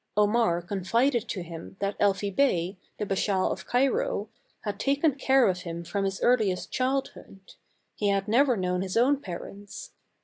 Omar confided to him that Elfi Bey, the Bashaw of Cairo, had taken care of him from his earliest childhood ; he had never known his own parents.